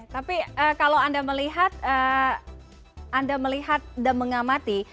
tapi kalau anda melihat dan mengamati